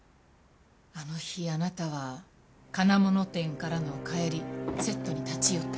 あの日あなたは金物店からの帰りセットに立ち寄った。